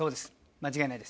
間違いないです。